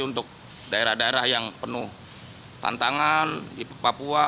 untuk daerah daerah yang penuh tantangan di papua